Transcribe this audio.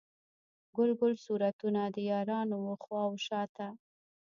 ګل ګل صورتونه، د یارانو و خواو شاته